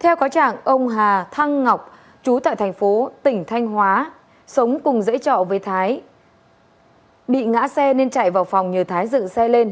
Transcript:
theo có trạng ông hà thăng ngọc chú tại thành phố tỉnh thanh hóa sống cùng dãy trọ với thái bị ngã xe nên chạy vào phòng nhờ thái dựng xe lên